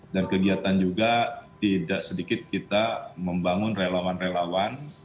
dan kegiatan juga tidak sedikit kita membangun relawan relawan